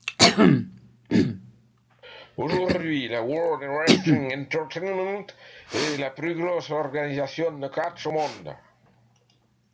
Aujourd'hui, la World Wrestling Entertainment est la plus grosse organisation de catch au monde.